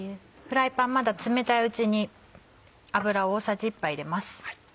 フライパンまだ冷たいうちに油大さじ１杯入れます。